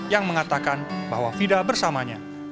yang mengatakan bahwa fida bersamanya